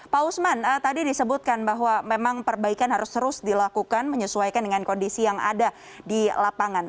pak usman tadi disebutkan bahwa memang perbaikan harus terus dilakukan menyesuaikan dengan kondisi yang ada di lapangan